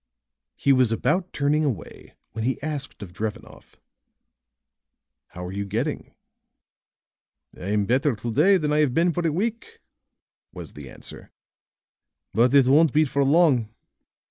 He was about turning away when he asked of Drevenoff: "How are you getting?" "I'm better to day than I have been for a week," was the answer. "But it won't be for long.